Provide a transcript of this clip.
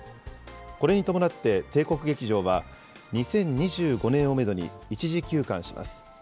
これに伴って帝国劇場は、２０２５年をメドに一時休館します。